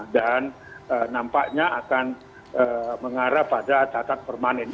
dan nampaknya akan mengarah pada tatak permanen